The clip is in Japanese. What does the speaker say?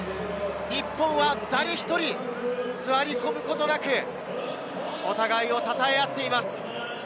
日本は誰１人、座り込むことなくお互いをたたえ合っています。